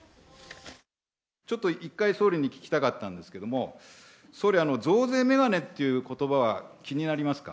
ちょっと１回、総理に聞きたかったんですけども、総理、あの増税メガネということばは気になりますか？